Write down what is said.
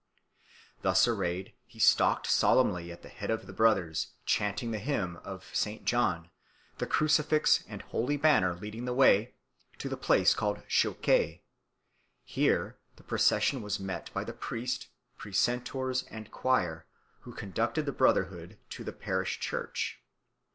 Thus arrayed he stalked solemnly at the head of the brothers, chanting the hymn of St. John, the crucifix and holy banner leading the way, to a place called Chouquet. Here the procession was met by the priest, precentors, and choir, who conducted the brotherhood to the parish church.